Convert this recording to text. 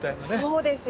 そうですよね。